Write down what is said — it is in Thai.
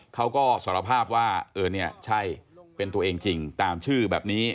เขาก็สารภาพว่าเออเนี่ยใช่เป็นตัวเองจริงตามชื่อแบบนี้